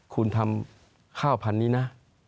คุณทำข้าวพันธุ์นี้นะ